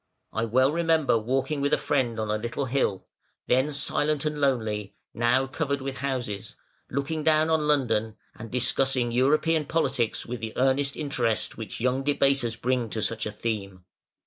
I well remember walking with a friend on a little hill (then silent and lonely, now covered with houses), looking down on London, and discussing European politics with the earnest interest which young debaters bring to such a theme.